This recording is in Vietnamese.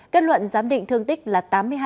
kết luận giám định thương tích là tám mươi hai